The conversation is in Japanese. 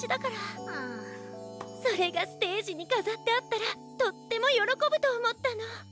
それがステージにかざってあったらとってもよろこぶとおもったの。